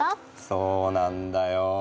そうなんだよ。